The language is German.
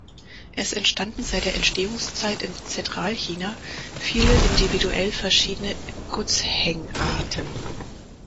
Es entstanden seit der Entstehungszeit in Zentralchina viele individuell verschiedene "guzheng"-Arten.